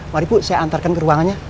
mari bu saya antarkan ke ruangannya